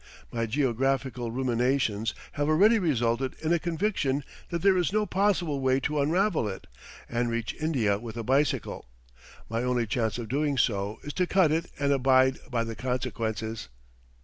My geographical ruminations have already resulted in a conviction that there is no possible way to unravel it and reach India with a bicycle; my only chance of doing so is to cut it and abide by the consequences.